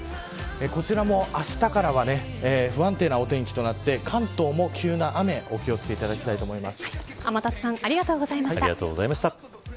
こちらも、あしたからは不安定なお天気となって関東も急な雨にお気を付けていただきたいと思います。